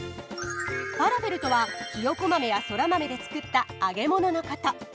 ファラフェルとはひよこ豆やそら豆で作った揚げ物のこと。